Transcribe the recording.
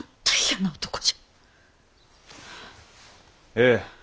ええ。